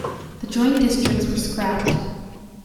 The joint districts were scrapped.